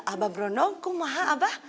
abah brondong kum maha abah